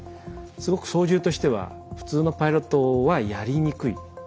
すごく操縦としては普通のパイロットはやりにくい。